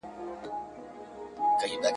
چي پخپله ځان ګمراه کړي او احتیاج سي ,